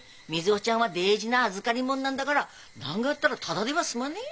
瑞穂ちゃんは大事な預かりもんなんだがら何があったらただでは済まねえ。